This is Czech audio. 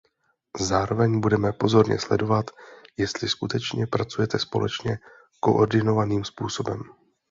Zároveň budeme pozorně sledovat, jestli skutečně pracujete společně koordinovaným způsobem.